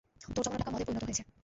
তোর জমানো টাকা মদে পরিণত হয়েছে।